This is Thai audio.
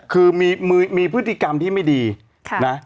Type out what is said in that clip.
คือมีพฤติกรรมที่ไม่ดีนะ